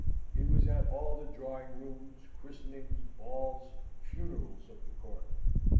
He was at all the drawing rooms, christenings, balls, funerals of the court.